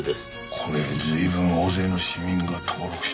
これ随分大勢の市民が登録していますね。